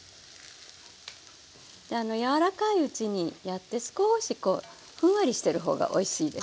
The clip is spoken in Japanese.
柔らかいうちにやって少しふんわりしてるほうがおいしいですよね。